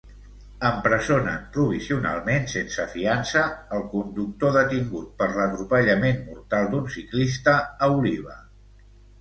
Empresonen provisionalment sense fiança el conductor detingut per l'atropellament mortal d'un ciclista a Oliva.